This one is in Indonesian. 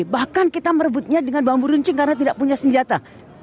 bahkan kita merebutnya dengan bambu runcing karena tidak punya senjata